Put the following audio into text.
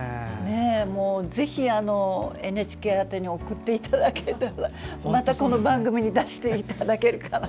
ぜひＮＨＫ宛てに送っていただければまたこの番組に出していただけるかなと。